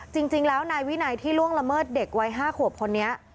จริงแล้วนายวินัยที่ล่วงละเมิดเด็กวัย๕ขวบคนนี้